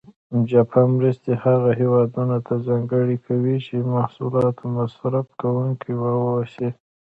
جاپان مرستې هغه هېوادونه ته ځانګړې کوي چې د محصولاتو مصرف کوونکي و اوسي.